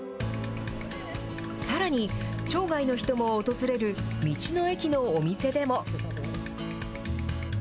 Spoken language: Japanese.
さらに、町外の人も訪れる道の駅のお店でも。